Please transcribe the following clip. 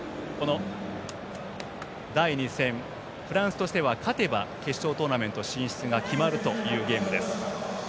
第２戦フランスとしては勝てば決勝トーナメント進出が決まるというゲームです。